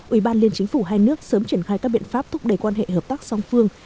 ủy ban liên chính phủ hai nước sớm triển khai các biện pháp thúc đẩy quan hệ hợp tác song phương